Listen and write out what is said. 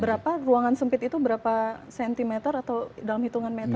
berapa ruangan sempit itu berapa cm atau dalam hitungan meter